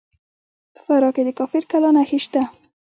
په فراه کې د کافر کلا نښې شته